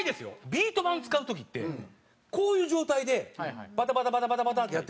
ビート板使う時ってこういう状態でバタバタバタバタってやってるんですよ。